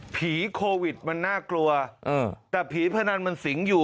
โควิดมันน่ากลัวแต่ผีพนันมันสิงอยู่